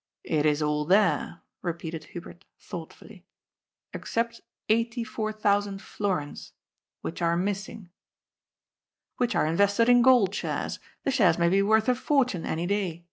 " It is all there," repeated Hubert thoughtfully, " except eighty four thousand florins, which are missing." " Which are invested in Gold Shares. The shares may be worth a fortune any day."